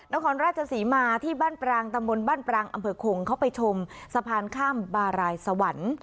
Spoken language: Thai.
นครราชศรีมาที่บ้านปรางตำบลบ้านปรางอำเภอคงเขาไปชมสะพานข้ามบารายสวรรค์